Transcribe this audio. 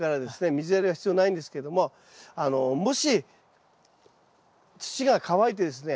水やりは必要ないんですけどももし土が乾いてですね